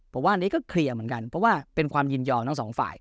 ผมว่าอันนี้ก็เคลียร์เหมือนกันเพราะว่าเป็นความยินยอมทั้งสองฝ่าย